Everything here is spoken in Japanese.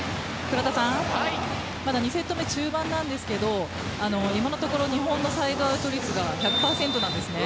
まだ２セット目中盤なんですが今のところ日本のサイドアウト率が１００％なんですよね。